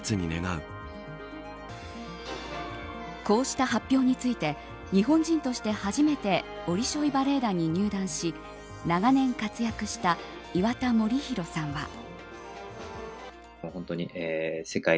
こうした発表について日本人として初めてボリショイ・バレエ団に入団し長年活躍した岩田守弘さんは。